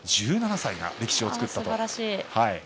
１７歳が歴史を作ったと。